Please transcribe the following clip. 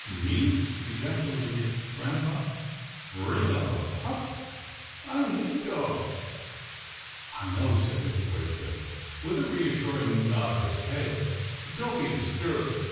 "Me!" ejaculated grampa, "bring up a pup — I hate dogs." " I know," said Mr. Waysmith with a reassuring nod of his head, " don't be disturbed.